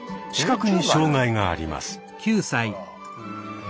視覚に障害があります。